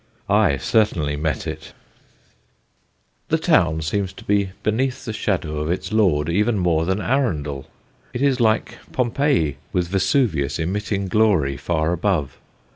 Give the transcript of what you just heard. I certainly met it. [Sidenote: THE SHADOW OF THE PEER] The town seems to be beneath the shadow of its lord even more than Arundel: it is like Pompeii, with Vesuvius emitting glory far above.